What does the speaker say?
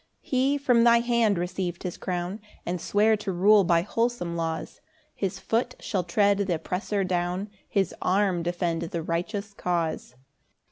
3 He from thy hand receiv'd his crown, And sware to rule by wholesome laws His foot shall tread th' oppressor down, His arm defend the righteous cause.